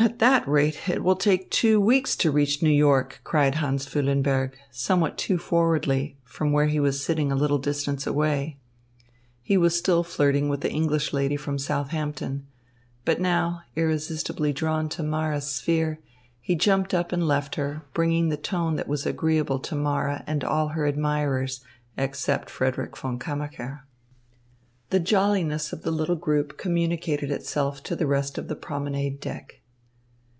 "At that rate it will take two weeks to reach New York," cried Hans Füllenberg, somewhat too forwardly, from where he was sitting a little distance away. He was still flirting with the English lady from Southampton; but now, irresistibly drawn to Mara's sphere, he jumped up and left her, bringing the tone that was agreeable to Mara and all her admirers, except Frederick von Kammacher. The jolliness of the little group communicated itself to the rest of the promenade deck.